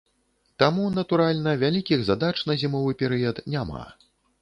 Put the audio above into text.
Таму, натуральна, вялікіх задач на зімовы перыяд няма.